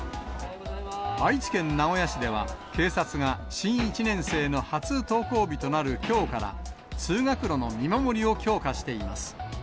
愛知県名古屋市では、警察が、新１年生の初登校日となるきょうから、通学路の見守りを強化しています。